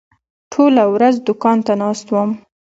ټوله ورځ دوکان ته ناست وم.